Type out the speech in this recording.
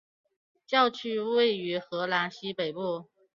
教区位于荷兰西北部。